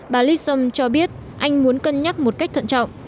bà listom cho biết anh muốn cân nhắc một cách thận trọng